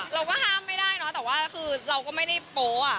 เราก็ห้ามไม่ได้เนอะแต่ว่าคือเราก็ไม่ได้โป๊ะ